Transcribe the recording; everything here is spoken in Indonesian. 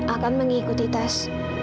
akan mengikuti tes